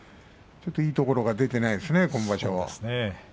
ちょっといいところが出ていないですね、今場所。